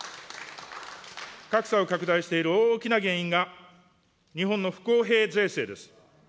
格差を拡大している大きな原因が、日本の不公平税制です。